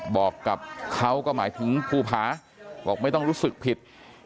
บอกกับเขาก็หมายถึงภูผาบอกไม่ต้องรู้สึกผิด